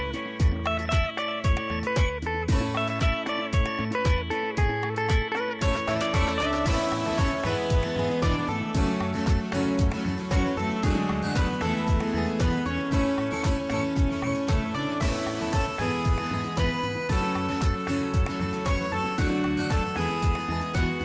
ดัวมันตอนีรมดา